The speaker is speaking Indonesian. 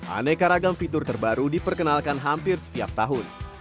aneka ragam fitur terbaru diperkenalkan hampir setiap tahun